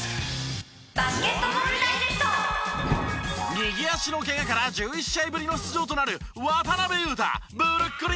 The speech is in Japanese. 右足のケガから１１試合ぶりの出場となる。